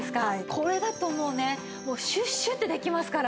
これだともうねシュッシュッてできますから。